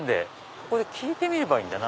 そこで聞いてみればいいんだな。